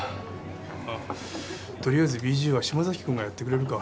ああとりあえずＢＧは島崎くんがやってくれるか？